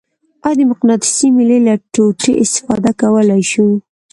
آیا د مقناطیسي میلې له ټوټې استفاده کولی شو؟